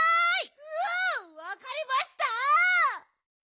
うわわかりました！